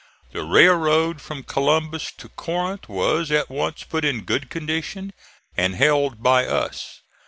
The railroad from Columbus to Corinth was at once put in good condition and held by us.